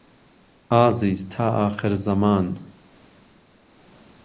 ئازیز تا ئاخر زهمان